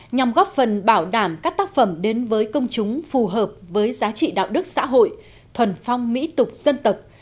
nhằm góp phần bảo đảm các tác phẩm đến với công chúng phù hợp với giá trị đạo đức xã hội thuần phong mỹ tục dân tộc